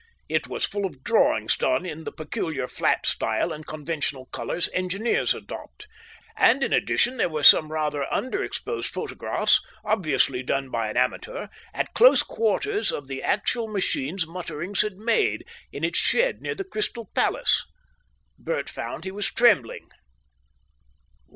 It was full of drawings done in the peculiar flat style and conventional colours engineers adopt. And, in, addition there were some rather under exposed photographs, obviously done by an amateur, at close quarters, of the actual machine's mutterings had made, in its shed near the Crystal Palace. Bert found he was trembling.